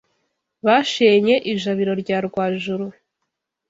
Bashenye ijabiro rya Rwajoro